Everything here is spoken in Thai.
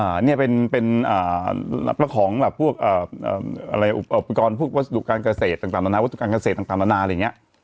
อ่าเนี้ยเป็นเป็นอ่าหลักหลักของแบบพวกอ่าอะไรอุปกรณ์พวกวัสดุการณ์เกษตรต่างต่างนานาวัสดุการณ์เกษตรต่างต่างนานาอะไรอย่างเงี้ย